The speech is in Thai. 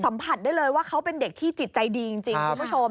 สัมผัสได้เลยว่าเขาเป็นเด็กที่จิตใจดีจริงคุณผู้ชม